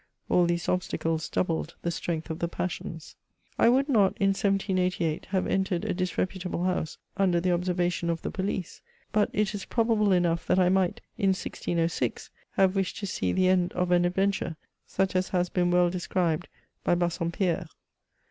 All these obstacles doubled the strength of the passions. I would not, in 1788, have entered a disreputable house, under the observation of the police ; but it is probable enough that I might, in 1606, have wished to see the end of an adventure, such as has been well described by Bassom pierre.